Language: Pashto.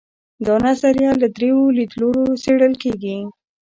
دا نظریه له درېیو لیدلورو څېړل کیږي.